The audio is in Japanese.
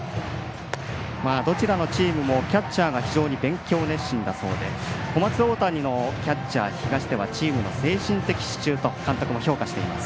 どちらのチームもキャッチャーが非常に勉強熱心だそうで小松大谷のキャッチャー東出はチームの精神的支柱と監督も評価しています。